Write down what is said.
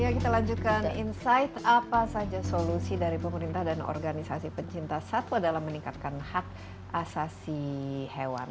ya kita lanjutkan insight apa saja solusi dari pemerintah dan organisasi pencinta satwa dalam meningkatkan hak asasi hewan